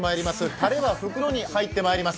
たれは袋に入ってまいります。